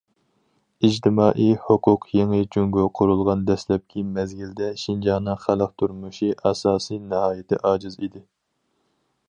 ئىجتىمائىي ھوقۇق يېڭى جۇڭگو قۇرۇلغان دەسلەپكى مەزگىلدە، شىنجاڭنىڭ خەلق تۇرمۇشى ئاساسى ناھايىتى ئاجىز ئىدى.